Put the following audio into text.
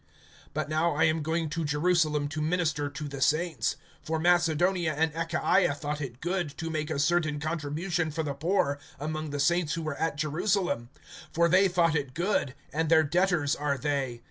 (25)But now I am going to Jerusalem to minister to the saints. (26)For Macedonia and Achaia thought it good, to make a certain contribution for the poor among the saints who were at Jerusalem. (27)For they thought it good; and their debtors are they.